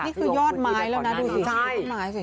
นี่คือยอดไม้แล้วนะดูสิดูสิดูสิดูสิดูสิดูสิดูสิดูสิดูสิดูสิ